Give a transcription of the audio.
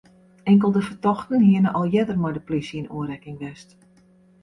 Inkelde fertochten hiene al earder mei de plysje yn oanrekking west.